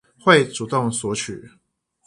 會主動索取